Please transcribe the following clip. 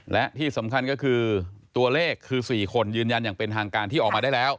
และที่สำคัญก็คือตัวเลขคือ๔คนยืนยันอย่างเป็นทางการที่ออกมาได้แล้ว